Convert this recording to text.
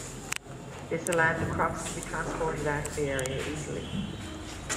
This allowed crops to be transported out of the area easily.